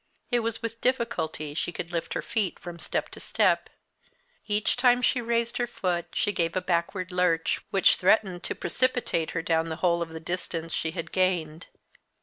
It was with difficulty she could lift her feet from step to step. Each time she raised her foot she gave a backward lurch, which threatened to precipitate her down the whole of the distance she had gained.